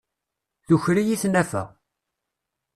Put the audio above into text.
Tuker-iyi tnafa.